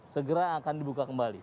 segera akan dibuka kembali